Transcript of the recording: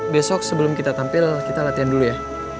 besok sebelum kita tampil kita latihan dulu ya